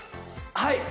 はい。